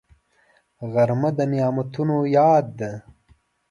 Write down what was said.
غرمه د نعمتونو یاد ده